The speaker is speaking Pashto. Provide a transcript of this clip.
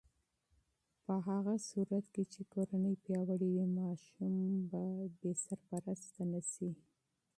په هغه صورت کې چې کورنۍ پیاوړې وي، ماشوم به بې سرپرسته نه شي.